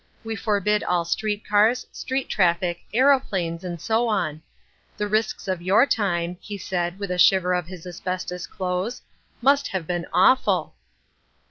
We forbid all street cars, street traffic, aeroplanes, and so on. The risks of your time," he said, with a shiver of his asbestos clothes, "must have been awful."